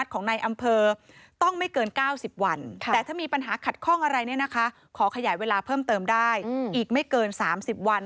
ขอขยายเวลาเพิ่มเติมได้อีกไม่เกิน๓๐วัน